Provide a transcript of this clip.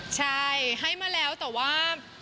ใช่ให้มาแล้วแต่ว่า